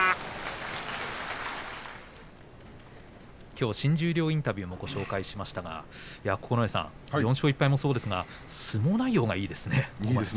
きょう新十両インタビューもご紹介しましたが九重さん、４勝１敗もそうですが相撲内容がいいですね。